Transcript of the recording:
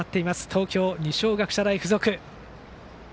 東京・二松学舎大付属。